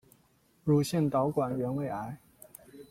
乳腺导管原位癌。